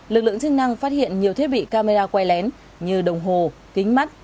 lực lượng chức năng phát hiện nhiều thiết bị camera quay lén như đồng hồ kính mắt